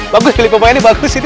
bagus pilih pemainnya bagus ini